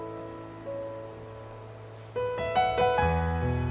ที่ได้เงินเพื่อจะเก็บเงินมาสร้างบ้านให้ดีกว่า